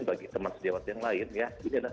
bagi teman sejawat yang lain ya ini adalah